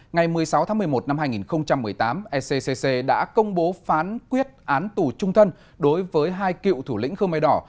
ngày một mươi sáu tháng một mươi một năm hai nghìn một mươi tám eccccc đã công bố phán quyết án tù trung thân đối với hai cựu thủ lĩnh khơ mê đỏ